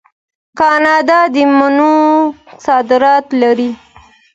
کاناډا د مڼو صادرات لري.